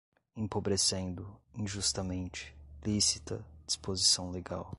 empobrecendo, injustamente, lícita, disposição legal